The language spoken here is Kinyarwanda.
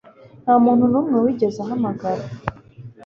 ntamuntu numwe wigeze ahamagara